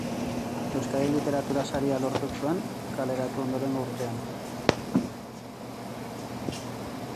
Euskadi Literatura Saria lortu zuen kaleratu ondorengo urtean.